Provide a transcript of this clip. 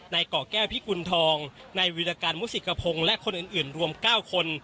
นายเกาะแก้วพิกุลทองนายวิทยาการมุษิกระพงและคนอื่นรวม๙คน